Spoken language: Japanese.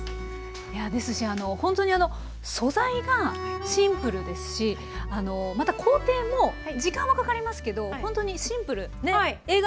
いやですしほんとにあの素材がシンプルですしまた工程も時間はかかりますけどほんとにシンプルねっ。